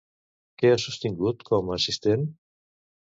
Què ha sostingut, com a assistent?